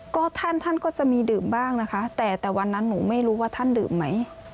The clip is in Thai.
ก็ท่านท่านก็จะมีดื่มบ้างนะคะแต่แต่วันนั้นหนูไม่รู้ว่าท่านดื่มไหม